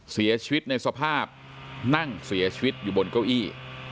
เสียชีวิตในสภาพนั่งเสียชีวิตอยู่บนเก้าอี้